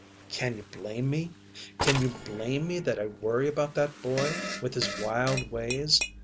"Can you blame me? Can you blame me that I worry about that boy, with his wild ways?